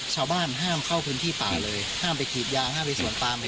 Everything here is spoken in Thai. ชาวบ้านห้ามเข้าพื้นที่ป่าเลยห้ามไปขีบยางห้ามไปสวนป่ามั้ยครับ